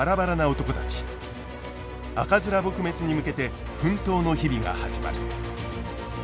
赤面撲滅に向けて奮闘の日々が始まる。